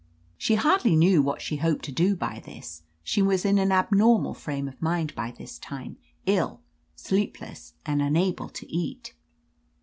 She hardly knew what she hoped to do by this: 200 OE LETITIA CARBERRY. she was in an abnormal frame of mind by this time: ill, sleepless and unable to eat.